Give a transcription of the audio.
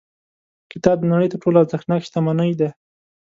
کتاب د نړۍ تر ټولو ارزښتناک شتمنۍ ده.